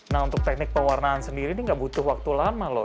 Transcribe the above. nah untuk teknik pewarnaan sendiri ini nggak butuh waktu lama loh